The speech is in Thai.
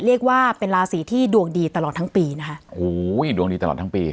เรียกว่าเป็นราศีที่ดวงดีตลอดทั้งปีนะคะโอ้โหดวงดีตลอดทั้งปี